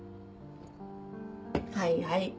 はいはい。